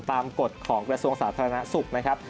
กฎของกระทรวงสาธารณสุขนะครับ